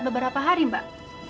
beberapa hari mbak